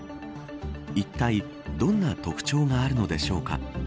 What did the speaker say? いったい、どんな特徴があるのでしょうか。